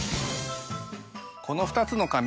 この２つの髪